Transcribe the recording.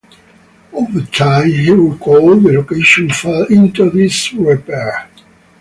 Over time, he recalled, the location fell into disrepair.